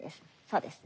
そうです。